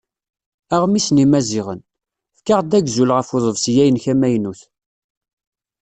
Aɣmis n Yimaziɣen: "Efk-aɣ-d agzul ɣef uḍebsi-a-inek amaynut.